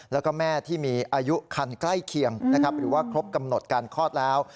แล้วก็แม่ที่มีอายุคันใกล้เคียงนะครับหรือว่าครบกำหนดการคลอดแล้ว